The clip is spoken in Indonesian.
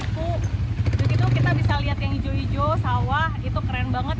dan itu kita bisa lihat yang hijau hijau sawah itu keren banget